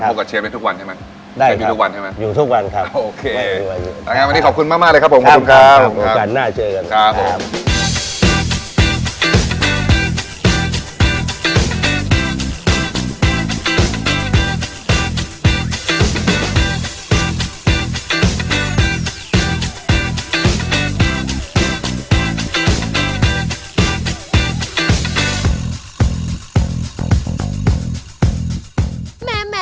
โฮกัสเชียมให้ทุกวันใช่ไหมได้ครับอยู่ทุกวันครับโอเควันนี้ขอบคุณมากเลยครับผมคุณครับ